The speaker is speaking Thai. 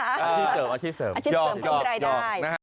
อาชีพเสริมอาชีพเสริมอาชีพเสริมพร้อมได้ได้